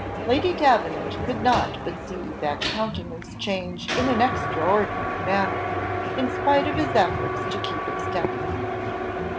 _" Lady Davenant could not but see that countenance change in an extraordinary manner, in spite of his efforts to keep it steady.